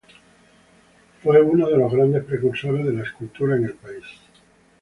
Fue uno de los grandes precursores de la escultura en el país.